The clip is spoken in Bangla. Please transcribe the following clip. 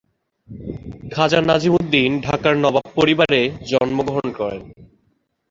খাজা নাজিমুদ্দিন ঢাকার নবাব পরিবারে জন্মগ্রহণ করেন।